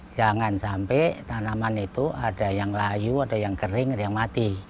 jangan sampai tanaman itu ada yang layu ada yang kering ada yang mati